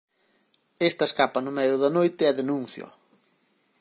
Esta escapa no medio da noite e denúnciao.